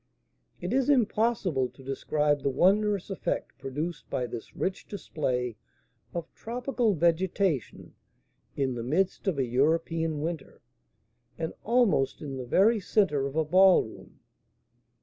It is impossible to describe the wondrous effect produced by this rich display of tropical vegetation in the midst of a European winter, and almost in the very centre of a ballroom.